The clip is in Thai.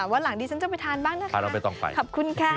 วันหลังนี้ฉันจะไปทานบ้าง